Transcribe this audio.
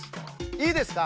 いいですか？